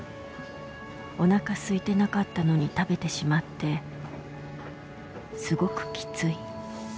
おなかすいてなかったのに食べてしまってすごくきつい」。